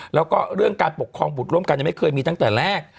แล้วก็เรื่องการปกครองบุตรร่วมกันยังไม่เคยมีตั้งแต่แรก